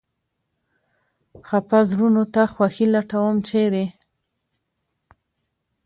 خپه زړونو ته خوښي لټوم ، چېرې ؟